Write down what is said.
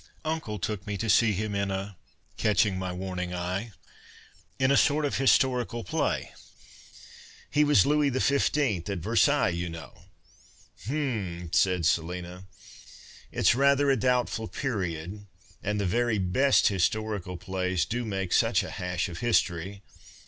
Uncle took me to see him in a " (catching my warning eye) —" in a sort of historical play. He was Louis XV., at Versailles, you know." " H'm," said Selina, " it's rather a doubtful period ; and the very best historical plays do make such a hash of history.